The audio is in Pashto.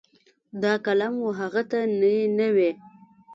دا قلم و هغه ته نی نه وي.